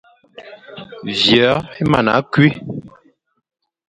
Vyo é mana kü,